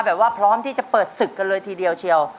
พร้อมที่จะเปิดศึกกันเลยทีเดียวเชียว